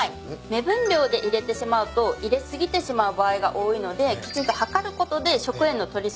目分量で入れてしまうと入れ過ぎてしまう場合が多いのできちんと量ることで食塩の取り過ぎを防ぎます。